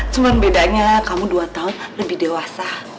cuma bedanya kamu dua tahun lebih dewasa